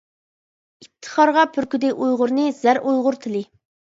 ئىپتىخارغا پۈركىدى ئۇيغۇرنى زەر ئۇيغۇر تىلى.